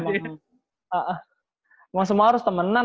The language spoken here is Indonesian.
emang semua harus temenan kan